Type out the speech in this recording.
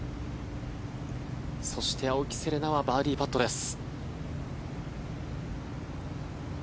そして、青木瀬令奈はバーディーパットです。